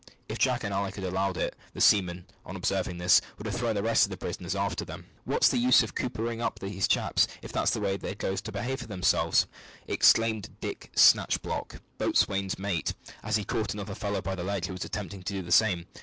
If Jack and Alick would have allowed it, the seamen, on observing this, would have thrown the rest of the prisoners after them. "What's the use of coopering up these chaps, if that's the way they goes for to behave to themselves?" exclaimed Dick Snatchblock, the boatswain's mate, as he caught another fellow by the leg who was attempting to do the same.